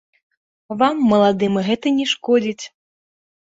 Вам, маладым, гэта не шкодзіць.